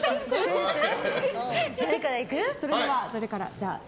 誰からいく？